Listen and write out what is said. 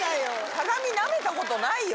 鏡なめたことないよ。